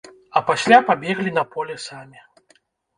А пасля пабеглі на поле самі!